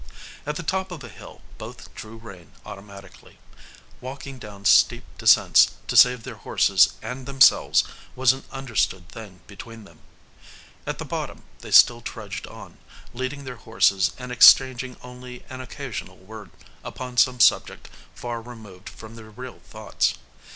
At the top of a hill both drew rein automatically. Walking down steep descents to save their horses and themselves was an understood thing between them. At the bottom they still trudged on, leading their horses and exchanging only an occasional word upon some subject far removed from their real thoughts.